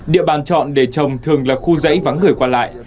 địa bàn chọn để trồng thường là khu dãy vắng người qua lại